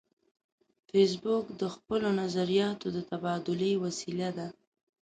فېسبوک د خپلو نظریاتو د تبادلې وسیله ده